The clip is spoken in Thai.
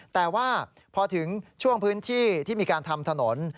แต่ว่าพอถึงช่วงพื้นที่ที่มีการทำถนน